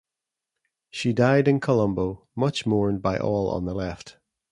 She died in Colombo, much mourned by all on the Left.